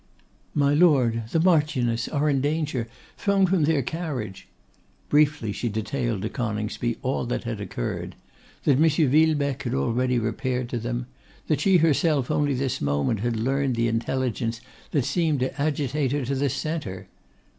'My Lord, the Marchioness, are in danger, thrown from their carriage.' Briefly she detailed to Coningsby all that had occurred; that M. Villebecque had already repaired to them; that she herself only this moment had learned the intelligence that seemed to agitate her to the centre.